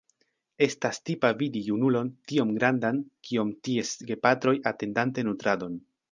Estas tipa vidi junulon tiom grandan kiom ties gepatroj atendante nutradon.